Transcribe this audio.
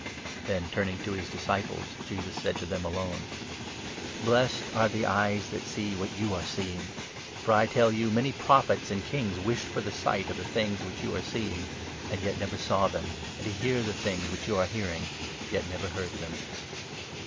Then, turning to his disciples, Jesus said to them alone : 23 '' Blessed are the eyes that see what you are seeing ; for, I tell 24 you, many Prophets and Kings wished for the sight of the things which you are seeing, yet never saw them, and to hear the things which you are hearing, yet never heard them."